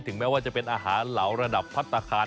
แม้ว่าจะเป็นอาหารเหลาระดับพัฒนาคาร